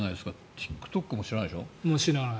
ＴｉｋＴｏｋもしないでしょ？